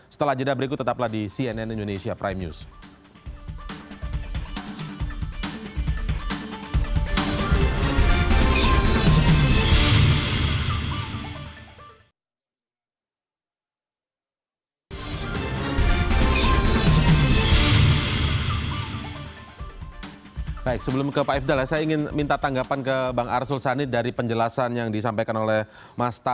setelah jeda berikut tetaplah di cnn indonesia prime news